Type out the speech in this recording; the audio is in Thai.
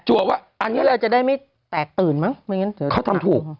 จัวว่าอันนี้แหละจะได้ไม่แตกตื่นมั้งเขาทำถูก